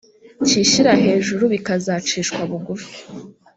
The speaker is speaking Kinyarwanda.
cyishyira hejuru bikazacishwa bugufi